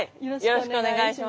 よろしくお願いします。